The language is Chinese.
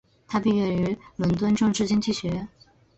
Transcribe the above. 他毕业于伦敦政治经济学院。